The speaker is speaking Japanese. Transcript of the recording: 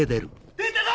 出たぞ！